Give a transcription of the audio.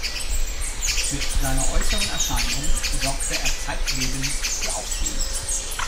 Mit seiner äußeren Erscheinung sorgte er zeitlebens für Aufsehen.